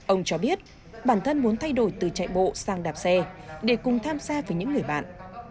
ông cho biết bản thân muốn thay đổi từ chạy bộ sang đạp xe để cùng tham gia với những người bạn